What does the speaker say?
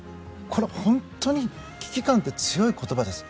これは本当に危機感って強い言葉です。